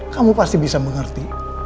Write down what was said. kamu pasti bisa mengerti